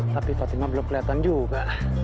tapi fatima belum kelihatan juga